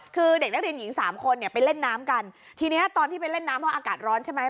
คือเด็กนักเรียนหญิงสามคนเนี่ยไปเล่นน้ำกันทีเนี้ยตอนที่ไปเล่นน้ำเพราะอากาศร้อนใช่ไหม